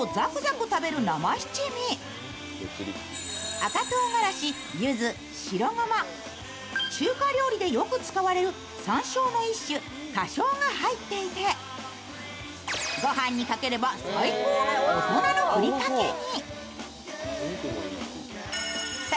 赤唐がらし、柚子、白ごま、中華料理でよく使われるさんしょうの一種、花しょうが入っていてご飯にかければ最高の大人のふりかけに。